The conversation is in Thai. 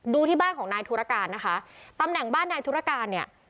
ที่บ้านของนายธุรการนะคะตำแหน่งบ้านนายธุรการเนี่ย